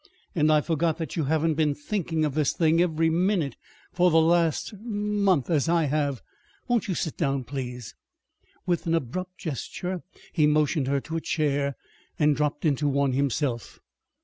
And I forgot that you haven't been thinking of this thing every minute for the last er month, as I have. Won't you sit down, please." With an abrupt gesture he motioned her to a chair, and dropped into one himself.